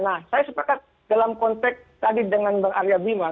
nah saya sepakat dalam konteks tadi dengan bang arya bima